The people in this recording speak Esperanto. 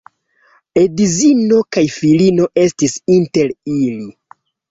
Edzino kaj filino estis inter ili.